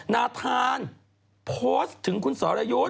นาธานโพสต์ถึงคุณสรยุทธ์